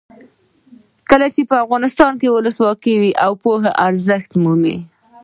کله چې افغانستان کې ولسواکي وي پوهه ارزښت مومي.